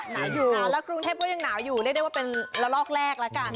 หนาวอยู่หนาวแล้วกรุงเทพก็ยังหนาวอยู่เรียกได้ว่าเป็นละลอกแรกแล้วกัน